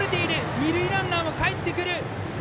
二塁ランナーもかえってくる。